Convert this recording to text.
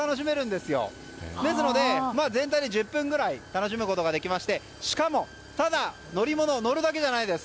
ですので全体で１０分くらい楽しむことができてしかも、ただ乗り物に乗るだけじゃないんです。